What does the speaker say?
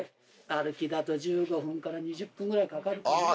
歩きだと１５分から２０分ぐらいかかるかな？